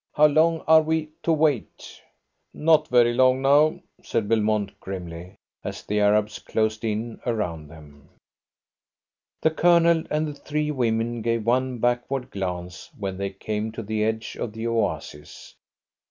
"How long are we to wait?" "Not very long now," said Belmont grimly, as the Arabs closed in around them. The Colonel and the three women gave one backward glance when they came to the edge of the oasis.